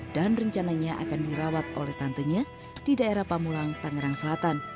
dan rencananya akan dirawat oleh tantenya di daerah pamulang tangerang selatan